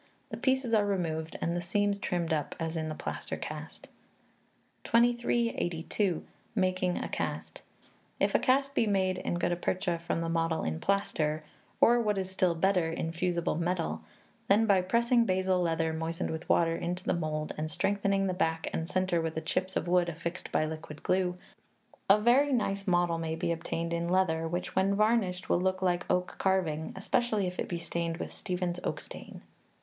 The pieces are removed, and the seams trimmed up, as in the plaster cast. 2382. Making a Cast. If a cast be made in Gutta Percha from the model in plaster or, what is still better, in fusible metal, then, by pressing basil leather, moistened with water, into the mould, and strengthening the back and centre with chips of wood affixed by liquid glue, a very nice model may be obtained in leather, which, when varnished, will look like oak carving especially if it be stained with Stephens's Oak Stain.